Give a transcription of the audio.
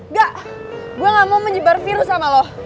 enggak gue gak mau menyebar virus sama lo